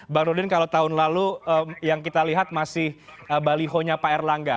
bang rudin kalau tahun lalu yang kita lihat masih balihonya pak erlangga